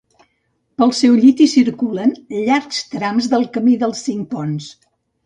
Pel seu llit hi circulen llargs trams del camí dels Cinc Ponts.